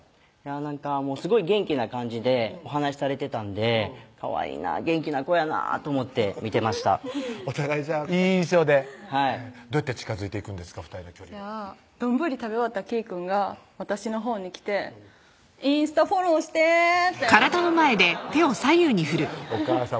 なんかすごい元気な感じでお話しされてたんでかわいいな元気な子やなと思って見てましたお互いいい印象ではいどうやって近づいていくんですか２人の距離丼食べ終わったきーくんが私のほうに来て「インスタフォローして」ってお母さま